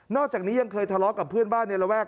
อกจากนี้ยังเคยทะเลาะกับเพื่อนบ้านในระแวก